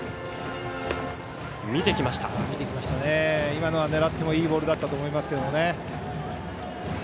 今のは狙ってもいいボールだったと思います。